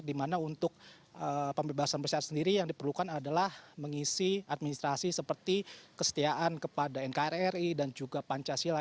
dimana untuk pembebasan bersyarat sendiri yang diperlukan adalah mengisi administrasi seperti kesetiaan kepada nkri dan juga pancasila